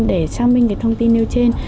để sang minh thông tin nêu trên